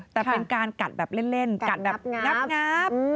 แต่เป็นการกัดแบบเล่นกัดแบบงับ